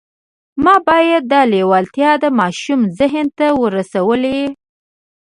ما باید دا لېوالتیا د ماشوم ذهن ته ورسولای